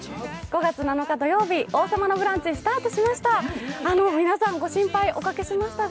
５月７日土曜日、「王様のブランチ」スタートしました。